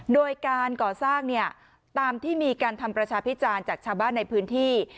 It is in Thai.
โดยการก่อสร้างเนี่ยตามที่มีการทำประชาพิจารณ์จากชาวบ้านในพื้นที่